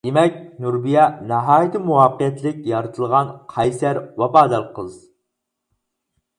دېمەك، نۇربىيە ناھايىتى مۇۋەپپەقىيەتلىك يارىتىلغان قەيسەر، ۋاپادار قىز.